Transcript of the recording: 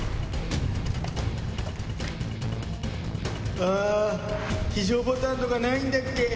あー、非常ボタンとかないんだっけ。